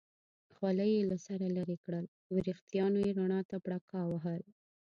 خولۍ یې له سره لرې کړل، وریښتانو یې رڼا ته پړکا وهل.